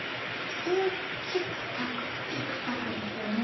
普通「チックタックチックタック」ですよね。